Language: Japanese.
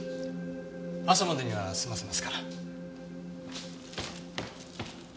朝までには済ませますから。